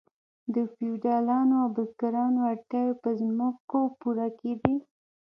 د فیوډالانو او بزګرانو اړتیاوې په ځمکو پوره کیدې.